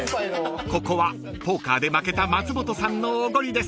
［ここはポーカーで負けた松本さんのおごりです］